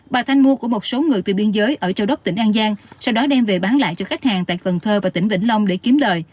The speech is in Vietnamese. bà thanh mua của một số người từ biên giới ở châu đốc tỉnh an giang sau đó đem về bán lại cho khách hàng tại cần thơ và tỉnh vĩnh long để kiếm lời